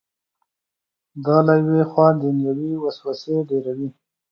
دا له یوې خوا دنیوي وسوسې ډېروي.